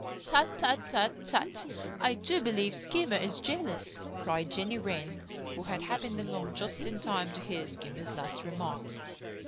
"Tut, tut, tut, tut! I do believe Skimmer is jealous," cried Jenny Wren, who had happened along just in time to hear Skimmer's last remarks.